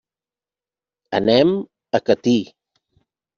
Anem a Catí.